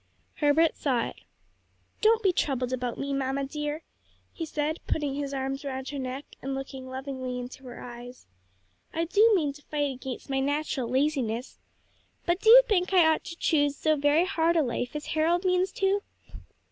Herbert saw it. "Don't be troubled about me, mamma dear," he said, putting his arms round her neck and gazing lovingly into her eyes. "I do mean to fight against my natural laziness. But do you think I ought to choose so very hard a life as Harold means to?"